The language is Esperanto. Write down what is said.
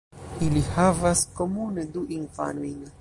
Ili havas komune du infanojn.